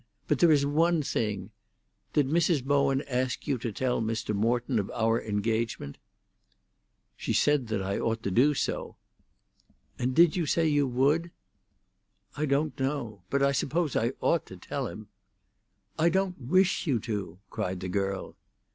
But there is one thing. Did Mrs. Bowen ask you to tell Mr. Morton of our engagement?" "She said that I ought to do so." "And did you say you would?" "I don't know. But I suppose I ought to tell him." "I don't wish you to!" cried the girl.